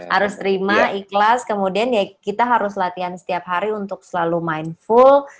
harus terima ikhlas kemudian ya kita harus latihan setiap hari untuk selalu mindful